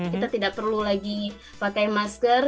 kita tidak perlu lagi pakai masker